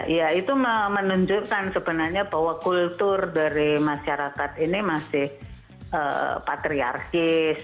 ya itu menunjukkan sebenarnya bahwa kultur dari masyarakat ini masih patriarkis